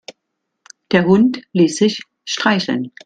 Der Hund ließ sich streicheln.